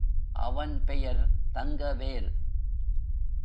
அவன் பெயர் தங்கவேல்.